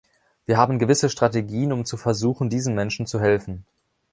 Wir haben gewisse Strategien, um zu versuchen, diesen Menschen zu helfen.